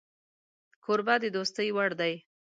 کوربه د دوستۍ وړ دی